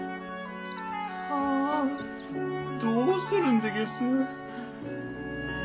ああどうするんでげす？